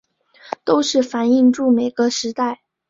都是反映著每个时代